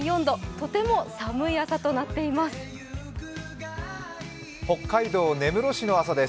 とても寒い朝となっています。